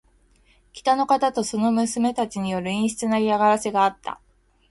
北の方とその娘たちによる陰湿な嫌がらせがあった。